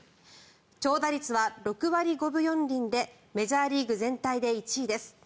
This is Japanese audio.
長打率は６割５分４厘でメジャーリーグ全体で１位です。